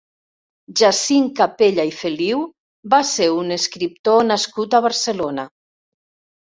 Jacint Capella i Feliú va ser un escriptor nascut a Barcelona.